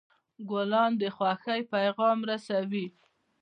ګلان د خوښۍ پیغام رسوي.